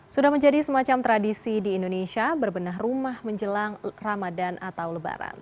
sudah menjadi semacam tradisi di indonesia berbenah rumah menjelang ramadan atau lebaran